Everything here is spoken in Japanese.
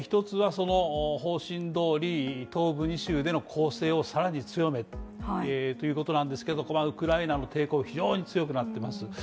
１つは方針どおり東部２州での攻勢を更に強めるということですが、ウクライナの抵抗、非常に強くなっています。